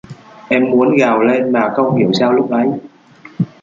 em muốn gào lên mà không hiểu sao lúc ấy